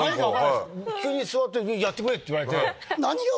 普通に座ってやってくれ！って言われて。